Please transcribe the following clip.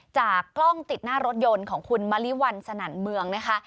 จากกล้องติดหน้ารถยนต์ของคุณมะลิวันสนั่นเมืองนะคะ